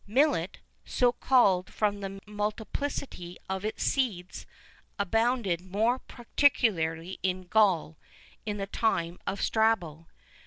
[V 19] Millet, so called from the multiplicity of its seeds,[V 20] abounded more particularly in Gaul, in the time of Strabo.